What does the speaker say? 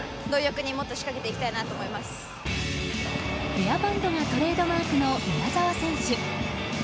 ヘアバンドがトレードマークの宮澤選手。